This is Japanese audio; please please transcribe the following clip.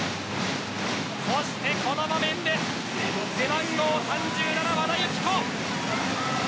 そしてこの場面で背番号３７、和田由紀子。